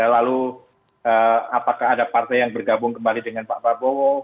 lalu apakah ada partai yang bergabung kembali dengan pak prabowo